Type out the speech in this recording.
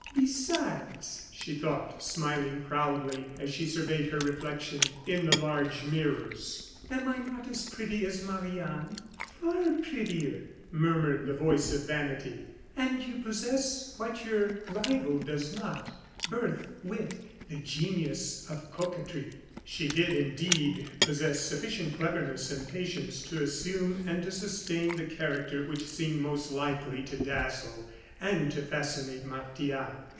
"Besides," she thought, smiling proudly, as she surveyed her reflection in the large mirrors; "am I not as pretty as Marie Anne?" "Far prettier!" murmured the voice of vanity; "and you possess what your rival does not: birth, wit, the genius of coquetry!" She did, indeed, possess sufficient cleverness and patience to assume and to sustain the character which seemed most likely to dazzle and to fascinate Martial.